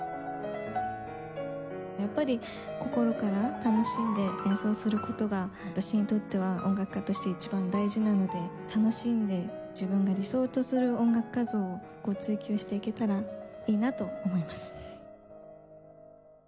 やっぱり心から楽しんで演奏する事が私にとっては音楽家として一番大事なので楽しんで自分が理想とする音楽家像を追求していけたらいいなと思います。